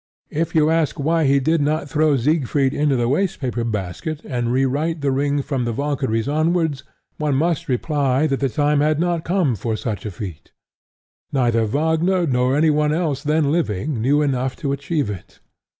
If you ask why he did not throw Siegfried into the waste paper basket and rewrite The Ring from The Valkyries onwards, one must reply that the time had not come for such a feat. Neither Wagner nor anyone else then living knew enough to achieve it.